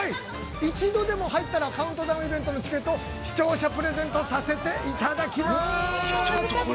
一度でも入ったらカウントダウンイベントのチケット視聴者プレゼントさせていただきます。